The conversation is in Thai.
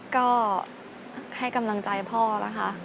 ก็ให้กำลังใจพ่อนะคะ